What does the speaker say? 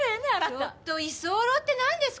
ちょっと居候って何ですか！？